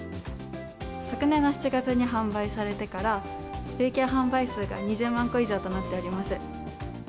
昨年の７月に販売されてから、累計販売数が２０万個以上となっております。